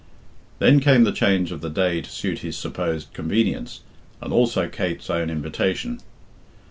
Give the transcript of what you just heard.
Then came the change of the day to suit his supposed convenience, and also Kate's own invitation.